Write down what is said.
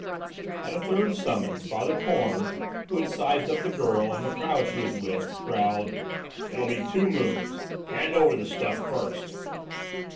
At a third summons, Father Korn, who had sized up the girl and the crowd she was with, growled: "It'll be two moons; hand over the stuff first."